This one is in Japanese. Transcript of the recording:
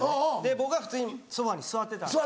僕は普通にソファに座ってたんです。